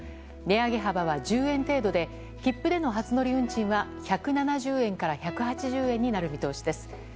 値上げ幅は１０円程度で切符での初乗り運賃は１７０円から１８０円になる見通しです。